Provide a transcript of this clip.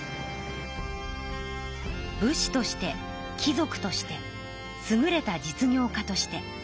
武士として貴族としてすぐれた実業家として。